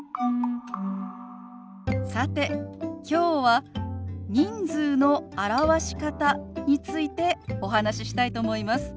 さてきょうは人数の表し方についてお話ししたいと思います。